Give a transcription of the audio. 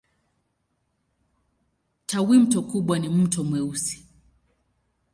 Tawimto kubwa ni Mto Mweusi.